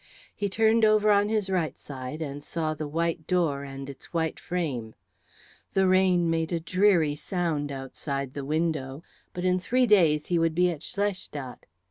He turned over on his right side and saw the white door and its white frame. The rain made a dreary sound outside the window, but in three days he would be at Schlestadt.